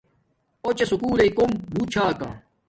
اُچے سکُول لݵ کُوم بوت چھا کا